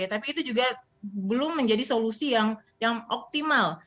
tapi itu juga belum menjadi solusi yang optimal